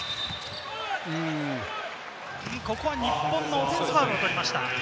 ここは、日本のオフェンスファウルを取りました。